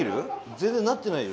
全然なってないよ。